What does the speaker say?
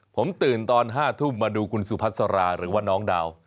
ผมตื่นตอน๕ทุ่มมาดูคุณสุพัสราหรือว่าน้องดาว